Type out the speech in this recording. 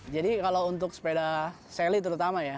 jadi kalau untuk sepeda seli terutama ya